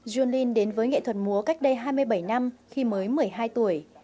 jun linh đến với nghệ thuật múa cách đây hai mươi bảy năm khi mới một mươi hai tuổi